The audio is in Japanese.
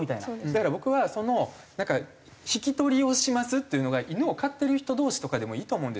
だから僕はその引き取りをしますっていうのが犬を飼ってる人同士とかでもいいと思うんですよ